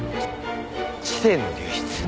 知性の流出。